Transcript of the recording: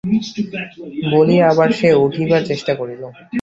বলিয়া আবার সে উঠিবার চেষ্টা করিল।